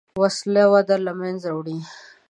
وسله وده له منځه وړي